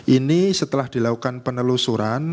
ini setelah dilakukan penelusuran